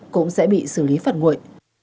cũng sẽ bị xử lý phạt nguội